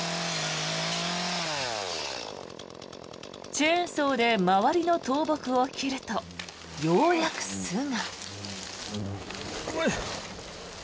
チェーンソーで周りの倒木を切るとようやく巣が。